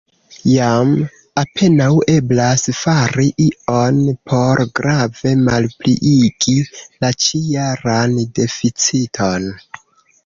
Jam apenaŭ eblas fari ion por grave malpliigi la ĉi-jaran deficiton.